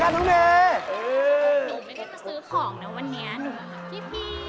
หนูไม่ได้มาซื้อของนะวันนี้